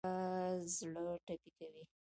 وسله زړه ټپي کوي